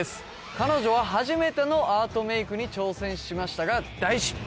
彼女は初めてのアートメイクに挑戦しましたが大失敗